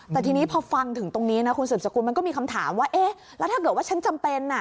แต่ทีนี้พอฟังถึงตรงนี้นะคุณสืบสกุลมันก็มีคำถามว่าเอ๊ะแล้วถ้าเกิดว่าฉันจำเป็น